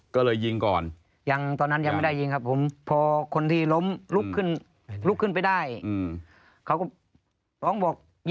ครับ